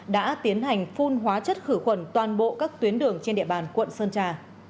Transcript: đã tiến hành phun hóa chất khử khuẩn toàn bộ các tuyến đường trên địa bàn quận sơn trà